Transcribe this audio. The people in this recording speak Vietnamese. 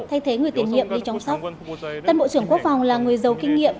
thay thế người tiền nhiệm đi chăm sóc tân bộ trưởng quốc phòng là người giàu kinh nghiệm